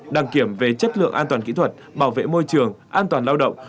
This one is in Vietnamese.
đăng kiểm về chất lượng an toàn kỹ thuật bảo vệ môi trường an toàn lao động